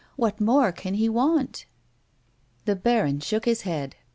What more can he want ?" The baron shook his head.